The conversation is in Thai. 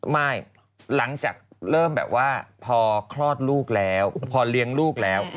ไม่หลังจากเริ่มแบบว่าพอคลอดลูกแล้วพอเลี้ยงลูกแล้ว